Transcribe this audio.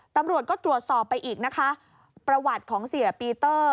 ตำรวจก็ตรวจสอบไปอีกนะคะประวัติของเสียปีเตอร์